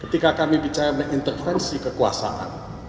ketika kami bicara mengenai intervensi kekuasaan